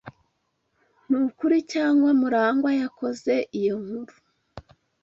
Nukuri cyangwa Murangwa yakoze iyo nkuru?